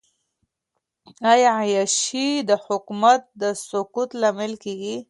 آیا عیاشي د حکومت د سقوط لامل کیږي؟